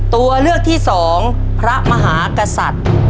ตัวเลือกที่สองพระมหากษัตริย์